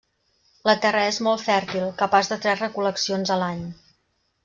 La terra és molt fèrtil, capaç de tres recol·leccions a l'any.